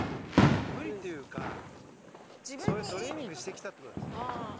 無理っていうかそういうトレーニングしてきたっていう事。